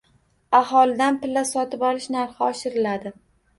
Aholidan pilla sotib olish narxi oshiriladi